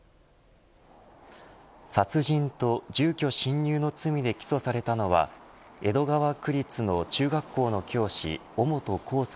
殺人と住居侵入の罪で起訴されたのは江戸川区立の中学校の教師尾本幸祐